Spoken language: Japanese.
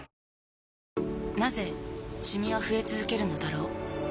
なぜシミは増え続けるのだろう